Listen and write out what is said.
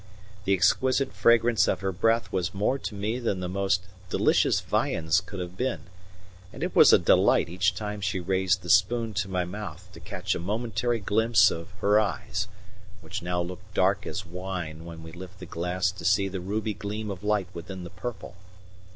The exquisite fragrance of her breath was more to me than the most delicious viands could have been; and it was a delight each time she raised the spoon to my mouth to catch a momentary glimpse of her eyes, which now looked dark as wine when we lift the glass to see the ruby gleam of light within the purple.